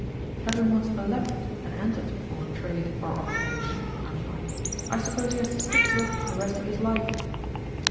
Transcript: "Having once elected and entered on a trade or occupation," I remarked, "I suppose he has to stick to it the rest of his life."